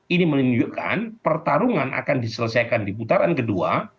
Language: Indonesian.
ini menunjukkan pertarungan akan diselesaikan di putaran kedua